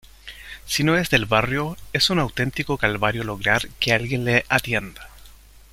si no es del barrio, es un auténtico calvario lograr que alguien le atienda